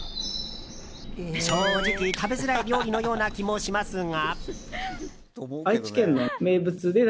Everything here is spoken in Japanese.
正直、食べづらい料理のような気もしますが。